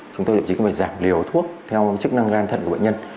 chúng ta đồng chí có phải giảm liều thuốc theo chức năng găng thận của bệnh nhân